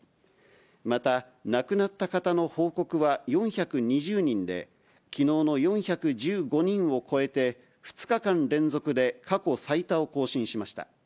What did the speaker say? また、亡くなった方の報告は４２０人で、きのうの４１５人を超えて、２日間連続で過去最多を更新しました。